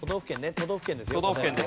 都道府県ですよ。